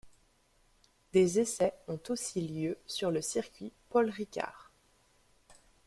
Des essais ont aussi eu lieu sur le circuit Paul Ricard.